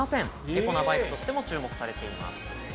エコなバイクとしても注目されています。